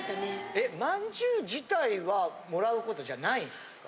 えまんじゅう自体はもらうことないんですか？